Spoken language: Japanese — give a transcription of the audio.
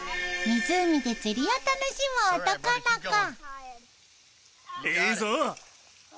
湖で釣りを楽しむ男の子。